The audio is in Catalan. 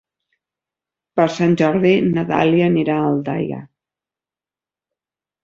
Per Sant Jordi na Dàlia anirà a Aldaia.